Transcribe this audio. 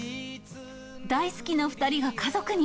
大好きな２人が家族に。